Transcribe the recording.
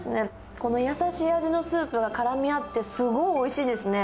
この優しい味のスープがからみ合って、すごいおいしいですね。